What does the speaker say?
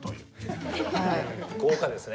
豪華ですね。